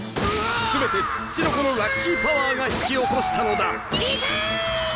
すべてツチノコのラッキーパワーが引き起こしたのだうぃすっ！